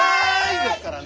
ですからね！